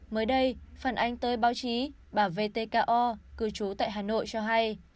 mới đây phần anh tới báo chí bà vtko cư trú tại hà nội cho hay